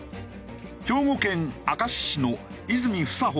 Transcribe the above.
兵庫県明石市の泉房穂市長。